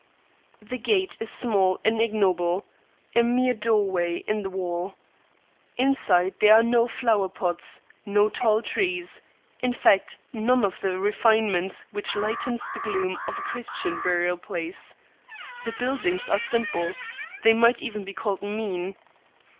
The gate is small and ignoble; a mere doorway in the wall. Inside there are no flower plots, no tall trees, in fact none of the refinements which lightens the gloom of a Christian burial place: the buildings are simple, they might even be called mean.